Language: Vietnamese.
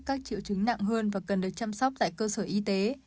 các triệu chứng nặng hơn và cần được chăm sóc tại cơ sở y tế